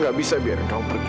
aku gak bisa biarin kamu pergi